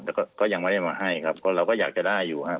แต่ก็ยังไม่ได้มาให้ครับเพราะเราก็อยากจะได้อยู่ครับ